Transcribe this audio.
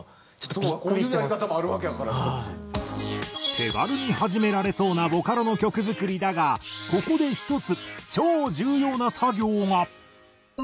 手軽に始められそうなボカロの曲作りだがここで１つ超重要な作業が。